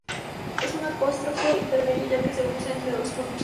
Usa un apóstrofo intermedio ya que se usa entre dos consonantes.